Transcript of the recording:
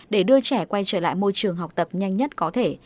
để đưa trẻ quay trở lại môi trường học tập nhanh nhất có thể